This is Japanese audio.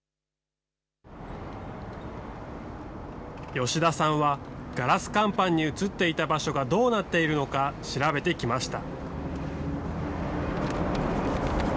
吉田さんは、ガラス乾板に写っていた場所がどうなっているのか調べてきました。